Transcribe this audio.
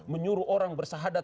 menyuruh orang bersahadat